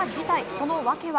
その訳は。